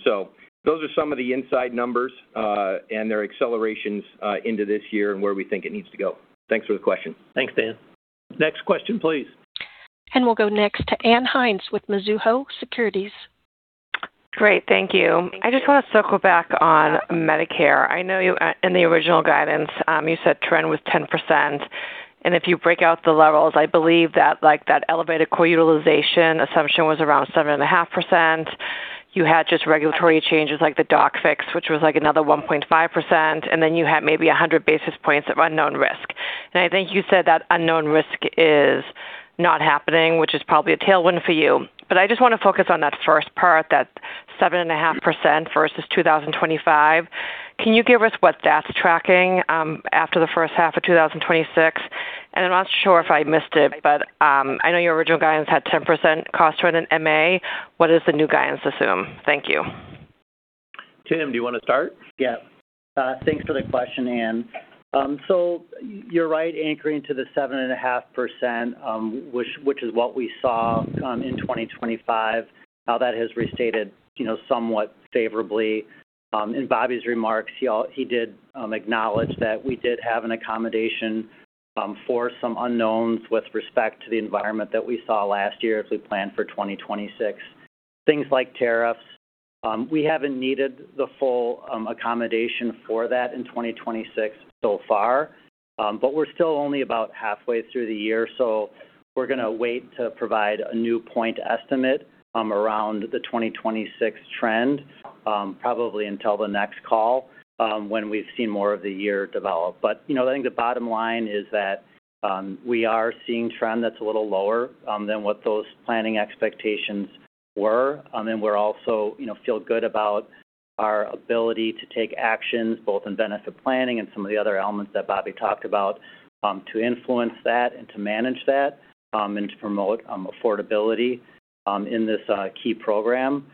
Those are some of the inside numbers, and their accelerations into this year and where we think it needs to go. Thanks for the question. Thanks, Dan. Next question, please. We'll go next to Ann Hynes with Mizuho Securities. Great, thank you. I just want to circle back on Medicare. I know you, in the original guidance, you said trend was 10%. If you break out the levels, I believe that elevated co-utilization assumption was around 7.5%. You had just regulatory changes like the doc fix, which was another 1.5%, then you had maybe 100 basis points of unknown risk. I think you said that unknown risk is not happening, which is probably a tailwind for you. I just want to focus on that first part, that 7.5% versus 2025. Can you give us what that's tracking after the first half of 2026? I'm not sure if I missed it, but I know your original guidance had 10% cost trend in MA. What does the new guidance assume? Thank you. Tim, do you want to start? Yeah. Thanks for the question, Ann. You're right, anchoring to the 7.5%, which is what we saw in 2025. Now that has restated somewhat favorably. In Bobby's remarks, he did acknowledge that we did have an accommodation for some unknowns with respect to the environment that we saw last year as we planned for 2026, things like tariffs. We haven't needed the full accommodation for that in 2026 so far. We're still only about halfway through the year, we're going to wait to provide a new point estimate around the 2026 trend, probably until the next call, when we've seen more of the year develop. I think the bottom line is that we are seeing trend that's a little lower than what those planning expectations Were, we also feel good about our ability to take actions both in benefit planning and some of the other elements that Bobby talked about to influence that and to manage that and to promote affordability in this key program.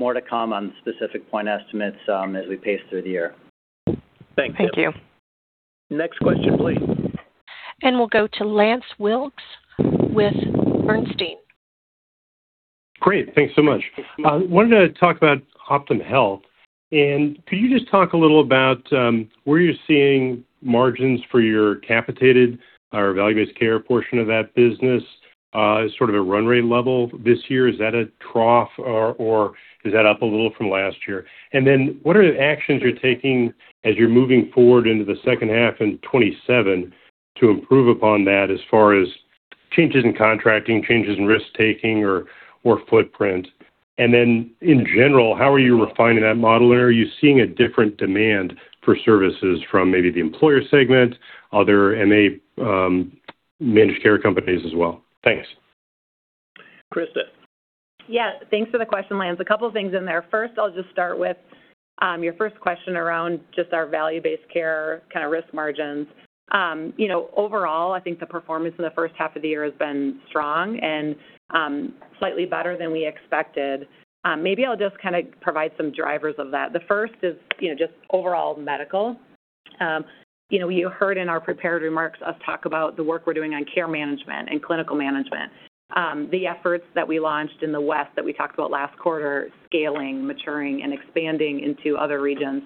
More to come on specific point estimates as we pace through the year. Thank you. Thank you. Next question, please. We'll go to Lance Wilkes with Bernstein. Great. Thanks so much. Wanted to talk about Optum Health. Could you just talk a little about where you're seeing margins for your capitated or value-based care portion of that business as sort of a run rate level this year? Is that a trough, or is that up a little from last year? What are the actions you're taking as you're moving forward into the second half in 2027 to improve upon that as far as changes in contracting, changes in risk-taking or footprint? In general, how are you refining that model? Are you seeing a different demand for services from maybe the employer segment, other MA managed care companies as well? Thanks. Krista? Yeah. Thanks for the question, Lance. A couple things in there. First, I'll just start with your first question around just our value-based care kind of risk margins. Overall, I think the performance in the first half of the year has been strong and slightly better than we expected. Maybe I'll just kind of provide some drivers of that. The first is just overall medical. You heard in our prepared remarks us talk about the work we're doing on care management and clinical management. The efforts that we launched in the West that we talked about last quarter, scaling, maturing, and expanding into other regions.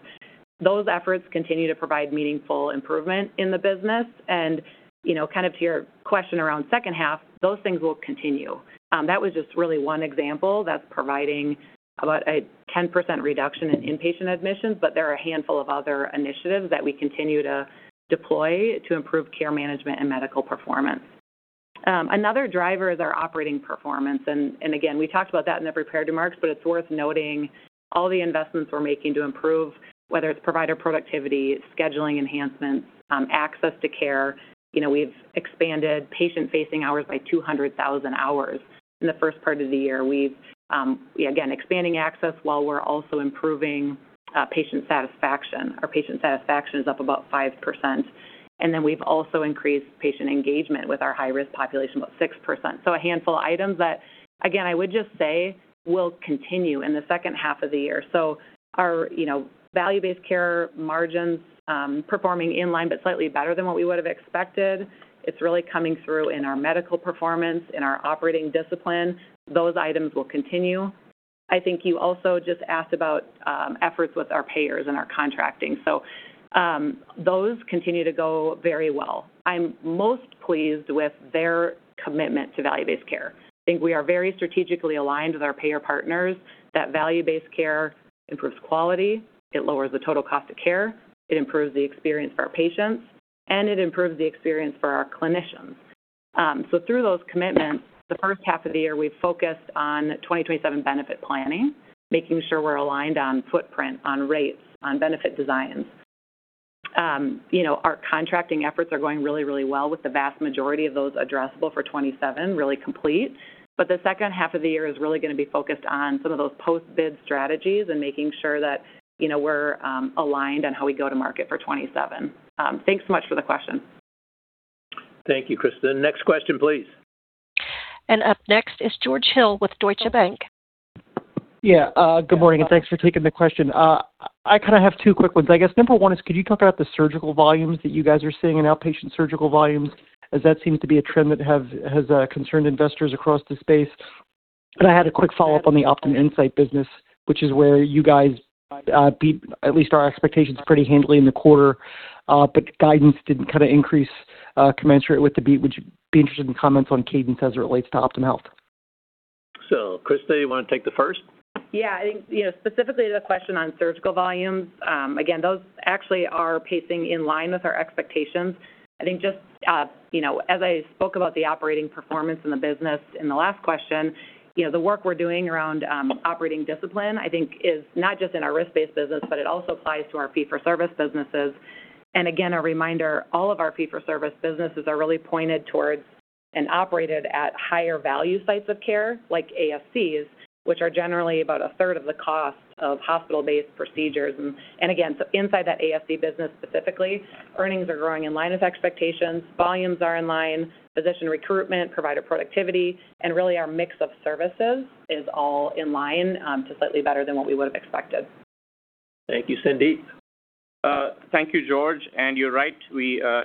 Those efforts continue to provide meaningful improvement in the business. Kind of to your question around second half, those things will continue. That was just really one example that's providing about a 10% reduction in inpatient admissions, but there are a handful of other initiatives that we continue to deploy to improve care management and medical performance. Another driver is our operating performance. Again, we talked about that in the prepared remarks, but it's worth noting all the investments we're making to improve, whether it's provider productivity, scheduling enhancements, access to care. We've expanded patient-facing hours by 200,000 hours in the first part of the year. We, again, expanding access while we're also improving patient satisfaction. Our patient satisfaction is up about 5%. We've also increased patient engagement with our high-risk population, about 6%. A handful of items that, again, I would just say will continue in the second half of the year. Our value-based care margins performing in line, but slightly better than what we would've expected. It's really coming through in our medical performance, in our operating discipline. Those items will continue. I think you also just asked about efforts with our payers and our contracting. Those continue to go very well. I'm most pleased with their commitment to value-based care. I think we are very strategically aligned with our payer partners that value-based care improves quality, it lowers the total cost of care, it improves the experience for our patients, and it improves the experience for our clinicians. Through those commitments, the first half of the year, we've focused on 2027 benefit planning, making sure we're aligned on footprint, on rates, on benefit designs. Our contracting efforts are going really, really well with the vast majority of those addressable for 2027 really complete. The second half of the year is really going to be focused on some of those post-bid strategies and making sure that we're aligned on how we go to market for 2027. Thanks so much for the question. Thank you, Krista. Next question, please. Up next is George Hill with Deutsche Bank. Good morning, and thanks for taking the question. I kind of have two quick ones, I guess. Number one is, could you talk about the surgical volumes that you guys are seeing in outpatient surgical volumes, as that seems to be a trend that has concerned investors across the space? I had a quick follow-up on the Optum Insight business, which is where you guys beat at least our expectations pretty handily in the quarter. Guidance didn't kind of increase commensurate with the beat. Would you be interested in comments on cadence as it relates to Optum Health? Krista, you want to take the first? I think specifically to the question on surgical volumes, again, those actually are pacing in line with our expectations. I think just as I spoke about the operating performance in the business in the last question, the work we're doing around operating discipline, I think, is not just in our risk-based business, but it also applies to our fee for service businesses. Again, a reminder, all of our fee for service businesses are really pointed towards and operated at higher value sites of care, like ASCs, which are generally about a third of the cost of hospital-based procedures. Again, inside that ASC business, specifically, earnings are growing in line with expectations, volumes are in line, physician recruitment, provider productivity, and really our mix of services is all in line to slightly better than what we would've expected. Thank you. Sandeep? Thank you, George. You're right.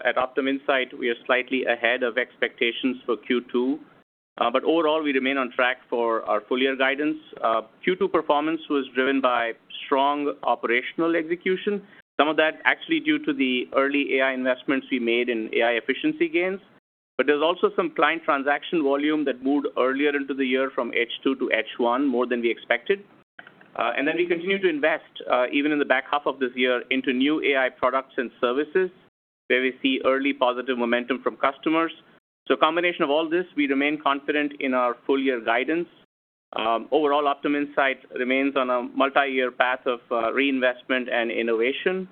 At Optum Insight, we are slightly ahead of expectations for Q2. Overall, we remain on track for our full year guidance. Q2 performance was driven by strong operational execution. Some of that actually due to the early AI investments we made in AI efficiency gains. There's also some client transaction volume that moved earlier into the year from H2 to H1, more than we expected. We continue to invest, even in the back half of this year, into new AI products and services where we see early positive momentum from customers. Combination of all this, we remain confident in our full year guidance. Overall, Optum Insight remains on a multi-year path of reinvestment and innovation,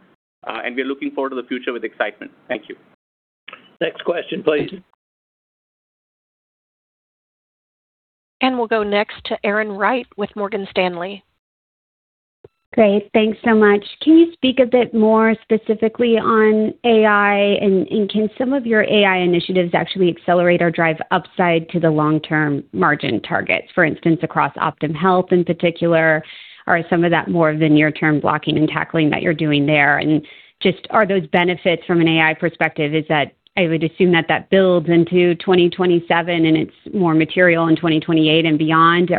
and we are looking forward to the future with excitement. Thank you. Next question, please. We'll go next to Erin Wright with Morgan Stanley. Great. Thanks so much. Can you speak a bit more specifically on AI, can some of your AI initiatives actually accelerate or drive upside to the long-term margin targets, for instance, across Optum Health in particular? Is some of that more of the near-term blocking and tackling that you're doing there? Just are those benefits from an AI perspective, is that I would assume that that builds into 2027 and it's more material in 2028 and beyond?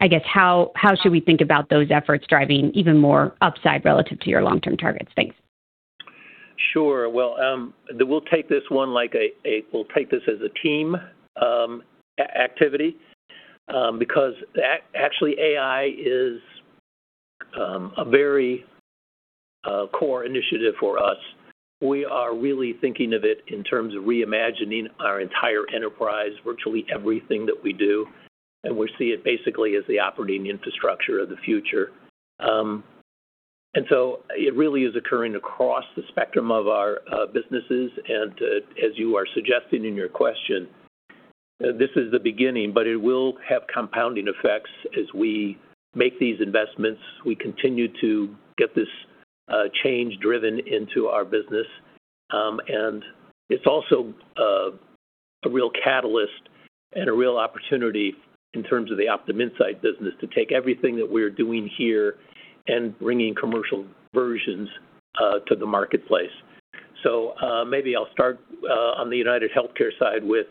I guess how should we think about those efforts driving even more upside relative to your long-term targets? Thanks. Sure. Well, we'll take this as a team activity, because actually AI is a very core initiative for us. We are really thinking of it in terms of reimagining our entire enterprise, virtually everything that we do, we see it basically as the operating infrastructure of the future. It really is occurring across the spectrum of our businesses. As you are suggesting in your question, this is the beginning, but it will have compounding effects as we make these investments. We continue to get this change driven into our business. It's also a real catalyst and a real opportunity in terms of the Optum Insight business to take everything that we're doing here and bringing commercial versions to the marketplace. Maybe I'll start on the UnitedHealthcare side with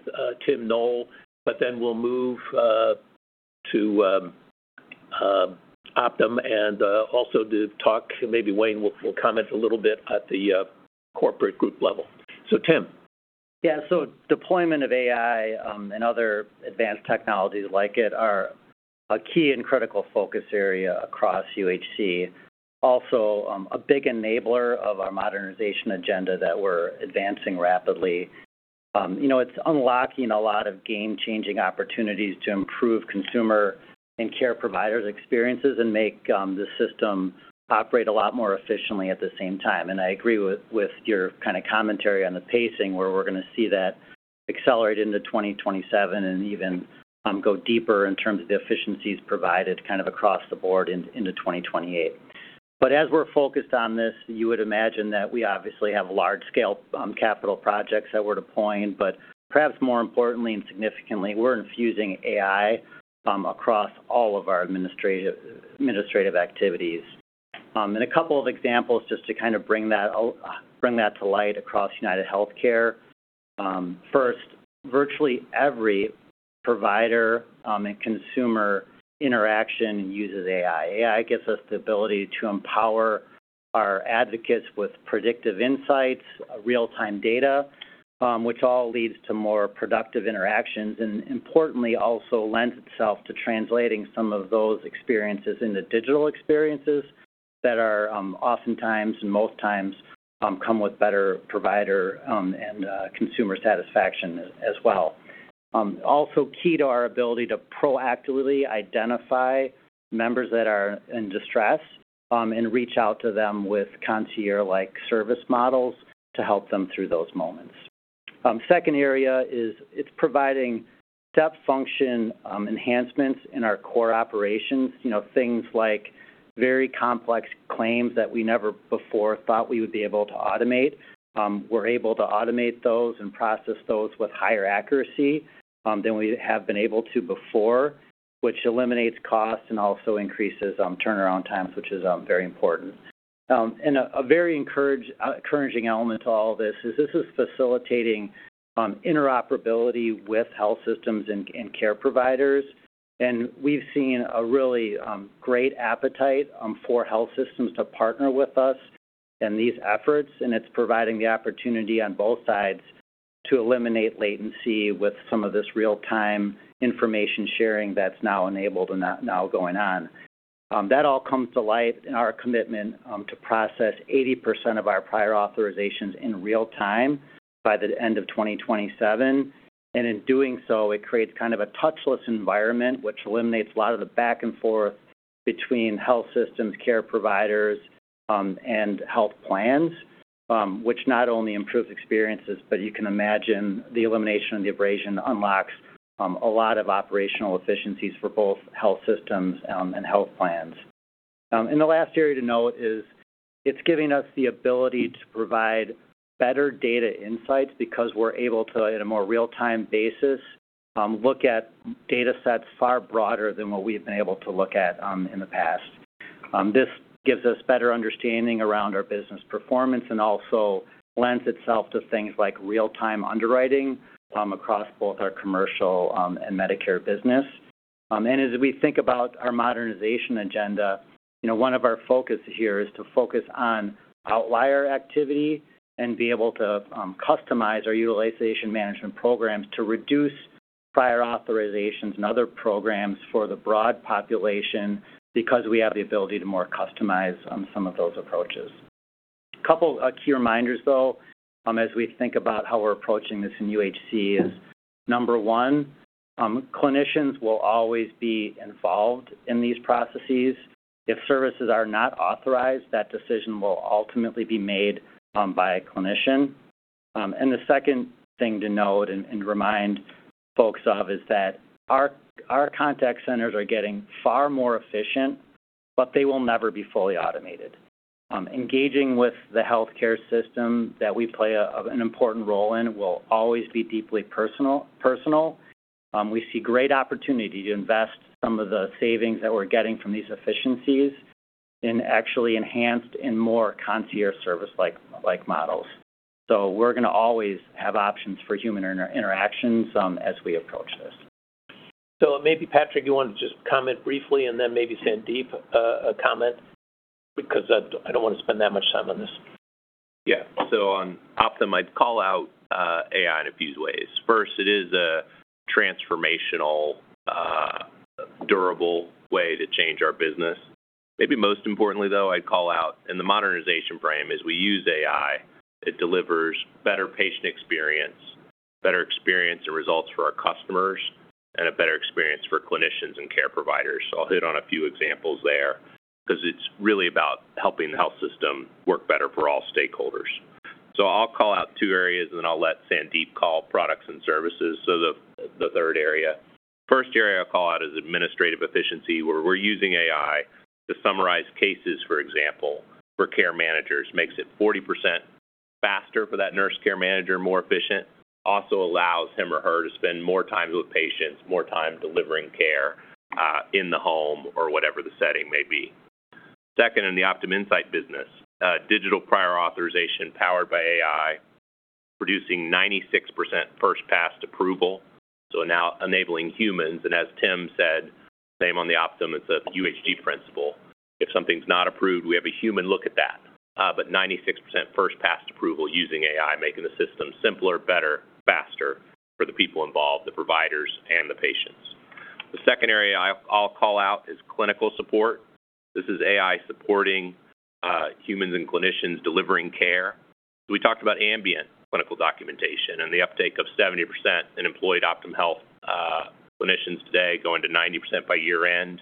Tim Noel, but then we'll move to Optum and also to talk, maybe Wayne will comment a little bit at the corporate group level. Tim. Yeah. Deployment of AI and other advanced technologies like it are a key and critical focus area across UHC. Also, a big enabler of our modernization agenda that we're advancing rapidly. It's unlocking a lot of game-changing opportunities to improve consumer and care providers' experiences and make the system operate a lot more efficiently at the same time. I agree with your kind of commentary on the pacing, where we're going to see that accelerate into 2027 and even go deeper in terms of the efficiencies provided kind of across the board into 2028. As we're focused on this, you would imagine that we obviously have large-scale capital projects that we're deploying, but perhaps more importantly and significantly, we're infusing AI across all of our administrative activities. A couple of examples just to kind of bring that to light across UnitedHealthcare. First, virtually every provider and consumer interaction uses AI. AI gives us the ability to empower our advocates with predictive insights, real-time data, which all leads to more productive interactions, and importantly, also lends itself to translating some of those experiences into digital experiences that oftentimes, most times, come with better provider and consumer satisfaction as well. Also key to our ability to proactively identify members that are in distress, and reach out to them with concierge-like service models to help them through those moments. Second area is it's providing step function enhancements in our core operations. Things like very complex claims that we never before thought we would be able to automate. We're able to automate those and process those with higher accuracy than we have been able to before, which eliminates cost and also increases turnaround times, which is very important. A very encouraging element to all this is this is facilitating interoperability with health systems and care providers. We've seen a really great appetite for health systems to partner with us in these efforts, and it's providing the opportunity on both sides to eliminate latency with some of this real-time information sharing that's now enabled and now going on. That all comes to light in our commitment to process 80% of our prior authorizations in real time by the end of 2027. In doing so, it creates kind of a touchless environment, which eliminates a lot of the back and forth between health systems, care providers, and health plans, which not only improves experiences, but you can imagine the elimination of the abrasion unlocks a lot of operational efficiencies for both health systems and health plans. The last area to note is it's giving us the ability to provide better data insights because we're able to, in a more real-time basis, look at data sets far broader than what we've been able to look at in the past. This gives us better understanding around our business performance and also lends itself to things like real-time underwriting across both our commercial and Medicare business. As we think about our modernization agenda, one of our focus here is to focus on outlier activity and be able to customize our utilization management programs to reduce prior authorizations and other programs for the broad population because we have the ability to more customize some of those approaches. A couple key reminders, though, as we think about how we're approaching this in UHC is Number one, clinicians will always be involved in these processes. If services are not authorized, that decision will ultimately be made by a clinician. The second thing to note and remind folks of is that our contact centers are getting far more efficient, but they will never be fully automated. Engaging with the healthcare system that we play an important role in will always be deeply personal. We see great opportunity to invest some of the savings that we're getting from these efficiencies in actually enhanced and more concierge service-like models. We're going to always have options for human interactions as we approach this. Maybe, Patrick, you want to just comment briefly and then maybe Sandeep, a comment, because I don't want to spend that much time on this. Yeah. On Optum, I'd call out AI in a few ways. First, it is a transformational durable way to change our business. Maybe most importantly, though, I'd call out in the modernization frame, as we use AI, it delivers better patient experience, better experience and results for our customers, and a better experience for clinicians and care providers. I'll hit on a few examples there, because it's really about helping the health system work better for all stakeholders. I'll call out two areas and then I'll let Sandeep call products and services, so the third area. First area I'll call out is administrative efficiency, where we're using AI to summarize cases, for example, for care managers. Makes it 40% faster for that nurse care manager, more efficient, also allows him or her to spend more time with patients, more time delivering care in the home or whatever the setting may be. Second, in the Optum Insight business, digital prior authorization powered by AI, producing 96% first pass approval. Now enabling humans, and as Tim said, same on the Optum, it's a UHG principle. If something's not approved, we have a human look at that. 96% first pass approval using AI, making the system simpler, better, faster for the people involved, the providers and the patients. Second area I'll call out is clinical support. This is AI supporting humans and clinicians delivering care. We talked about ambient clinical documentation and the uptake of 70% in employed Optum Health clinicians today, going to 90% by year end.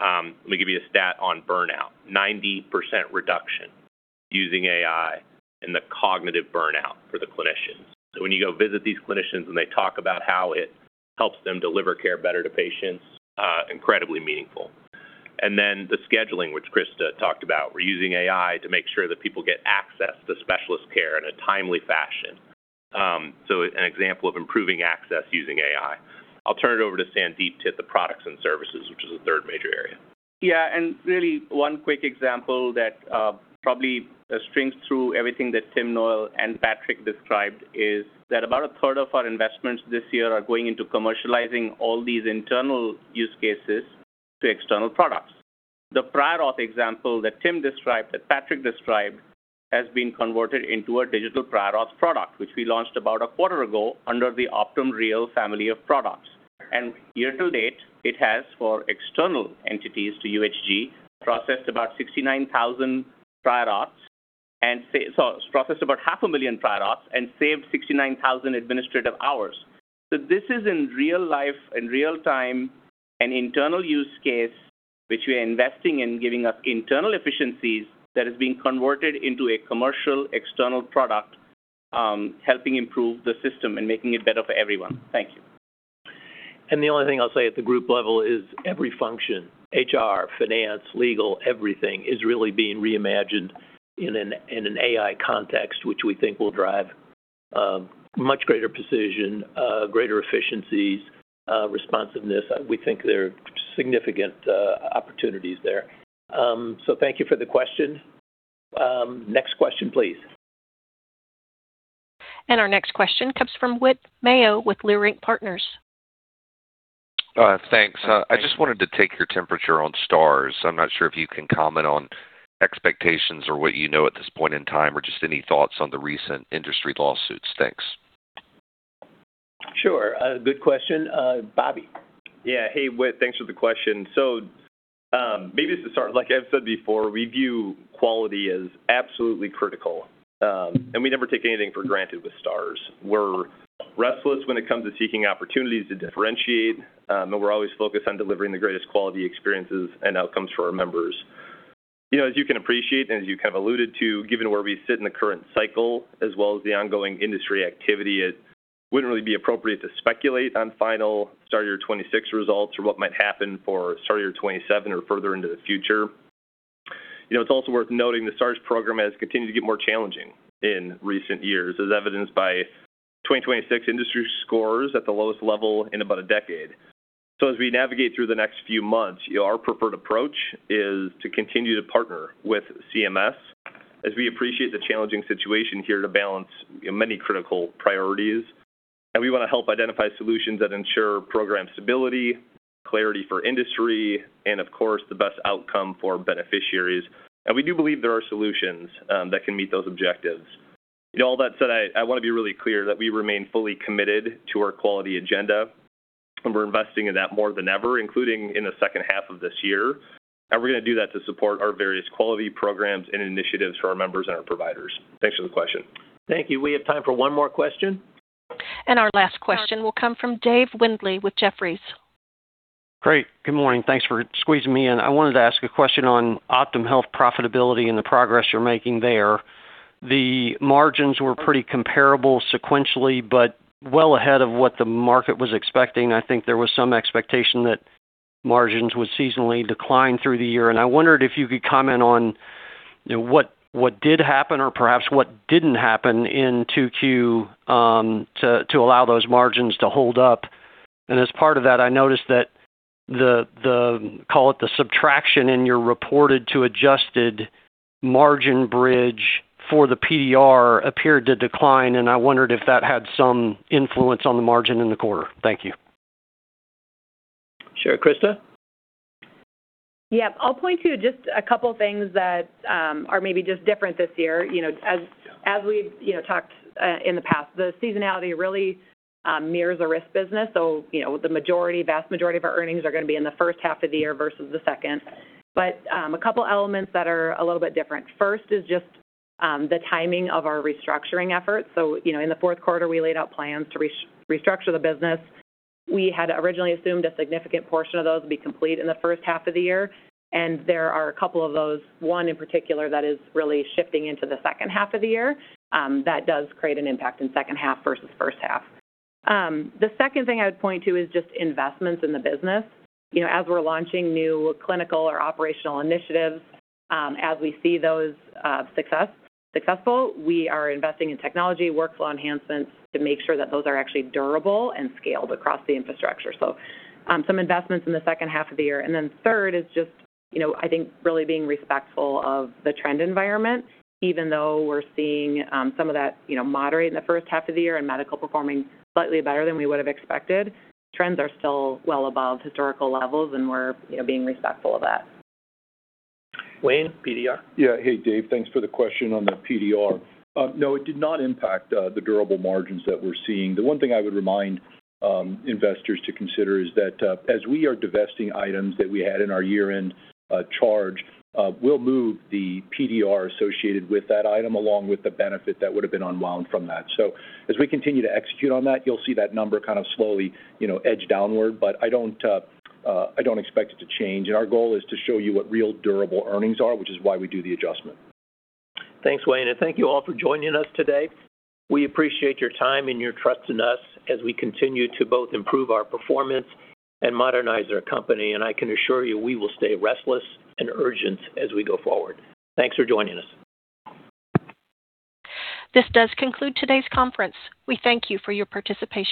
Let me give you a stat on burnout. 90% reduction using AI in the cognitive burnout for the clinicians. When you go visit these clinicians and they talk about how it helps them deliver care better to patients, incredibly meaningful. Then the scheduling, which Krista talked about. We're using AI to make sure that people get access to specialist care in a timely fashion. An example of improving access using AI. I'll turn it over to Sandeep to hit the products and services, which is the third major area. Really one quick example that probably strings through everything that Tim Noel, and Patrick described is that about a third of our investments this year are going into commercializing all these internal use cases to external products. The prior auth example that Tim described, that Patrick described, has been converted into a digital prior auth product, which we launched about a quarter ago under the Optum Real family of products. Year to date, it has, for external entities to UHG, processed about 69,000 prior auths, so it's processed about half a million prior auths and saved 69,000 administrative hours. This is in real life, in real time, an internal use case which we are investing in giving us internal efficiencies that is being converted into a commercial external product, helping improve the system and making it better for everyone. Thank you. The only thing I'll say at the group level is every function, HR, finance, legal, everything, is really being reimagined in an AI context, which we think will drive much greater precision, greater efficiencies, responsiveness. We think there are significant opportunities there. Thank you for the question. Next question, please. Our next question comes from Whit Mayo with Leerink Partners. Thanks. I just wanted to take your temperature on Stars. I'm not sure if you can comment on expectations or what you know at this point in time or just any thoughts on the recent industry lawsuits. Thanks. Sure. Good question. Bobby. Yeah. Hey, Whit, thanks for the question. Maybe to start, like I've said before, we view quality as absolutely critical, and we never take anything for granted with Stars. We're restless when it comes to seeking opportunities to differentiate, and we're always focused on delivering the greatest quality experiences and outcomes for our members. As you can appreciate and as you kind of alluded to, given where we sit in the current cycle as well as the ongoing industry activity, it wouldn't really be appropriate to speculate on final Star Year 2026 results or what might happen for Star Year 2027 or further into the future. It's also worth noting the Stars program has continued to get more challenging in recent years, as evidenced by 2026 industry scores at the lowest level in about a decade. As we navigate through the next few months, our preferred approach is to continue to partner with CMS, as we appreciate the challenging situation here to balance many critical priorities, and we want to help identify solutions that ensure program stability, clarity for industry, and of course, the best outcome for beneficiaries. We do believe there are solutions that can meet those objectives. All that said, I want to be really clear that we remain fully committed to our quality agenda We're investing in that more than ever, including in the second half of this year. We're going to do that to support our various quality programs and initiatives for our members and our providers. Thanks for the question. Thank you. We have time for one more question. Our last question will come from David Windley with Jefferies. Great. Good morning. Thanks for squeezing me in. I wanted to ask a question on Optum Health profitability and the progress you're making there. The margins were pretty comparable sequentially, but well ahead of what the market was expecting. I think there was some expectation that margins would seasonally decline through the year. I wondered if you could comment on what did happen or perhaps what didn't happen in 2Q to allow those margins to hold up. As part of that, I noticed that the, call it the subtraction in your reported to adjusted margin bridge for the PDR appeared to decline, and I wondered if that had some influence on the margin in the quarter. Thank you. Sure. Krista? Yeah. I'll point to just a couple things that are maybe just different this year. As we've talked in the past, the seasonality really mirrors a risk business. The vast majority of our earnings are going to be in the first half of the year versus the second. A couple elements that are a little bit different. First is just the timing of our restructuring efforts. In the fourth quarter, we laid out plans to restructure the business. We had originally assumed a significant portion of those would be complete in the first half of the year. There are a couple of those, one in particular, that is really shifting into the second half of the year. That does create an impact in second half versus first half. The second thing I would point to is just investments in the business. As we're launching new clinical or operational initiatives, as we see those successful, we are investing in technology workflow enhancements to make sure that those are actually durable and scaled across the infrastructure. Some investments in the second half of the year. Then third is just I think really being respectful of the trend environment, even though we're seeing some of that moderate in the first half of the year and medical performing slightly better than we would've expected. Trends are still well above historical levels, and we're being respectful of that. Wayne, PDR? Yeah. Hey, Dave. Thanks for the question on the PDR. No, it did not impact the durable margins that we're seeing. The one thing I would remind investors to consider is that, as we are divesting items that we had in our year-end charge, we'll move the PDR associated with that item along with the benefit that would've been unwound from that. As we continue to execute on that, you'll see that number kind of slowly edge downward. I don't expect it to change. Our goal is to show you what real durable earnings are, which is why we do the adjustment. Thanks, Wayne, and thank you all for joining us today. We appreciate your time and your trust in us as we continue to both improve our performance and modernize our company. I can assure you, we will stay restless and urgent as we go forward. Thanks for joining us. This does conclude today's conference. We thank you for your participation.